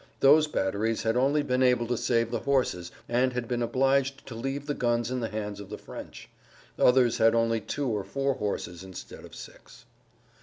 Those batteries had only been able to save the horses and had been obliged to leave the guns in the hands of the French. Others had only two or four horses instead of six.